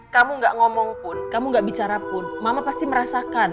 kamu gak ngomong pun kamu gak bicara pun mama pasti merasakan